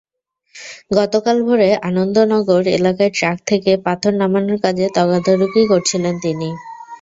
গতকাল ভোরে আনন্দনগর এলাকায় ট্রাক থেকে পাথর নামানোর কাজ তদারকি করছিলেন তিনি।